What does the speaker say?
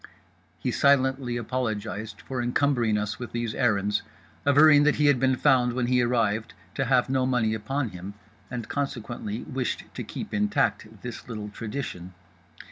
He silently apologized for encumbering us with these errands, averring that he had been found when he arrived to have no money upon him and consequently wished to keep intact this little tradition.